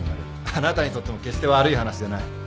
あなたにとっても決して悪い話じゃない。